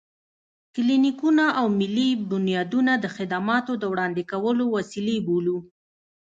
کلينيکونه او ملي بنيادونه د خدماتو د وړاندې کولو وسيلې بولو.